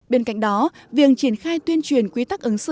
bên cạnh đó viện triển khai tuyên truyền quý tắc ứng xử